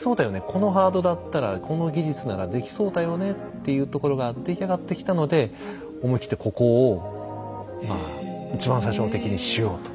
このハードだったらこの技術ならできそうだよねっていうところが出来上がってきたので思い切ってここをまあ一番最初の敵にしようと。